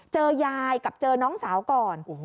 เจอยายกับเจอน้องสาวก่อน